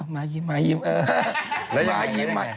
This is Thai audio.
มายิ้ม